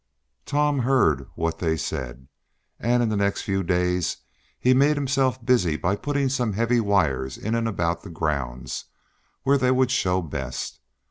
Tom heard what they said, and in the next few days he made himself busy by putting some heavy wires in and about the grounds where they would show best.